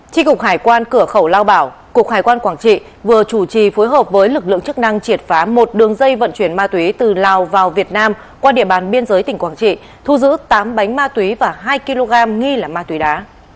tri cục hải quan cửa khẩu lao bảo cục hải quan quảng trị vừa chủ trì phối hợp với lực lượng chức năng triệt phá một đường dây vận chuyển ma túy từ lào vào việt nam qua địa bàn biên giới tỉnh quảng trị thu giữ tám bánh ma túy và hai kg nghi là ma túy đá